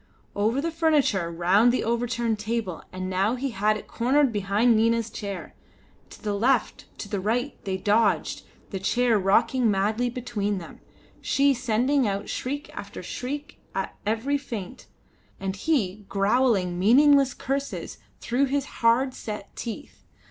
Over the furniture, round the overturned table, and now he had it cornered behind Nina's chair. To the left, to the right they dodged, the chair rocking madly between them, she sending out shriek after shriek at every feint, and he growling meaningless curses through his hard set teeth.